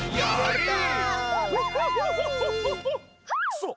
そう。